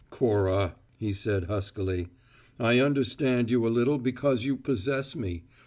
"Cora," he said huskily, "I understand you a little because you possess me.